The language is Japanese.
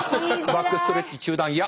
バックストレッチ中団ヤ！